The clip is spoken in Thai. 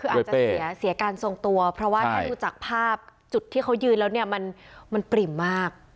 คืออาจจะเสียการทรงตัวเพราะว่าถ้าดูจากภาพจุดที่เขายืนแล้วเนี่ยมันปริ่มมาก